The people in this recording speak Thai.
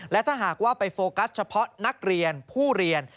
และถ้าหากว่าไปโฟกัสเฉพาะนักเรียนผู้เรียน